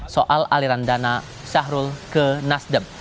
soal aliran dana syahrul ke nasdem